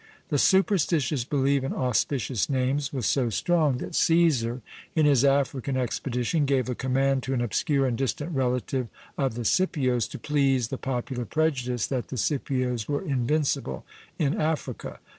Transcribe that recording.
The superstitious belief in auspicious names was so strong, that CÃḊsar, in his African expedition, gave a command to an obscure and distant relative of the Scipios, to please the popular prejudice that the Scipios were invincible in Africa.